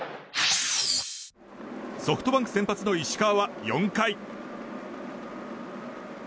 ソフトバンク先発の石川は４回。